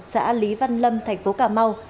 xã lý văn lâm thành phố cà mau